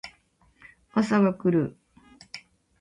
朝が来る